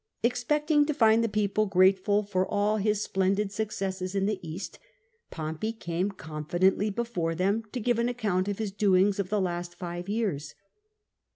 Expecting to find the people grateful for all his splendid successes in the East, Pompey came confidently before them to give an account of his doings of the last five years.